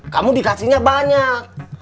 kamu dikasihnya banyak